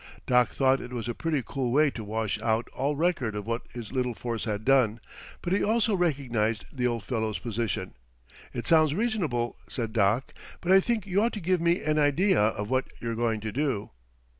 Doc thought it was a pretty cool way to wash out all record of what his little force had done, but he also recognized the old fellow's position. "It sounds reasonable," said Doc, "but I think you ought to give me an idea of what you're going to do."